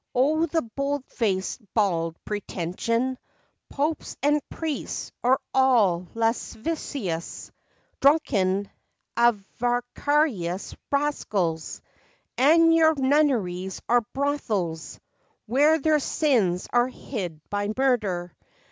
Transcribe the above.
O, the bold faced, bald, pretention! Popes and priests are all lascivious, Drunken, avaricious rascals; And your nunneries are brothels, Where their sins are hid by murder.